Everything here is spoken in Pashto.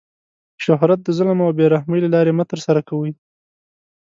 شهرت د ظلم او بې رحمۍ له لاري مه ترسره کوئ!